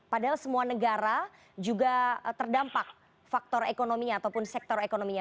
padahal semua negara juga terdampak faktor ekonominya ataupun sektor ekonominya